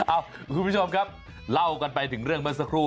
คุณผู้ชมครับเล่ากันไปถึงเรื่องเมื่อสักครู่